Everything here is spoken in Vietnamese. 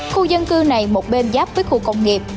khu dân cư này một bên giáp với khu công nghiệp